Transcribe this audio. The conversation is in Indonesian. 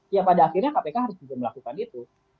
ya pada akhirnya kpk harus juga melakukan itu